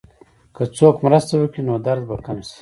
که څوک مرسته وکړي، نو درد به کم شي.